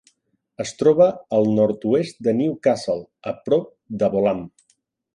Es troba al nord-oest de Newcastle, a prop de Bolam.